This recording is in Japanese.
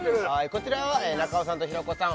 こちらは中尾さんと平子さん